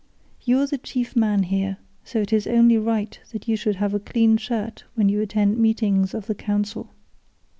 You are the chief man here, so it is only right that you should have a clean shirt when you attend meetings of the council.